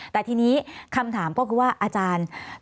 แต่ทีนี้คำถามก็คือว่าอาจารย์